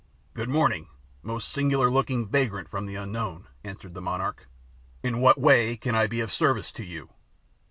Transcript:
"Good morning, most singular looking vagrant from the Unknown," answered the monarch. "In what way can I be of service to you?''